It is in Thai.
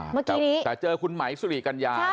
เมื่อกี้นี้แต่เจอคุณไหมสุริกัญญา